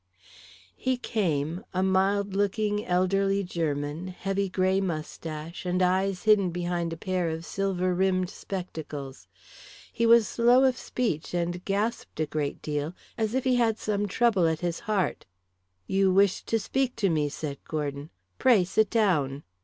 He came, a mild looking elderly German, heavy grey moustache, and eyes hidden behind a pair of silver rimmed spectacles. He was slow of speech and gasped a great deal as if he had some trouble at his heart. "You wished to speak to me," said Gordon. "Pray sit down."